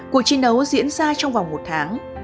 cuộc chiến đấu diễn ra trong vòng một tháng